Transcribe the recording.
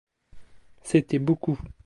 C'était beaucoup.